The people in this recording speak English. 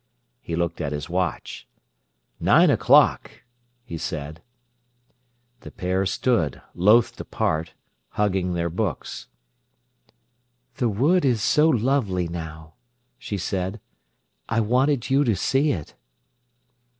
He looked at his watch. "Nine o'clock!" he said. The pair stood, loth to part, hugging their books. "The wood is so lovely now," she said. "I wanted you to see it."